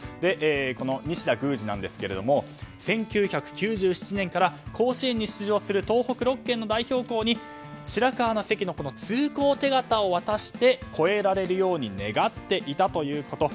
この西田宮司なんですけれども１９９７年から甲子園に出場する東北６県の代表校に白河の関の通行手形を渡して越えられるように願っていたということ。